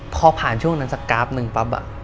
พอผ่านช่วงนั้นสักกราฟหนึ่งปั๊บ